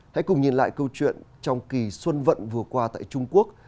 hãy cùng nhìn lại câu chuyện trong kỳ xuân vận vừa qua tại trung quốc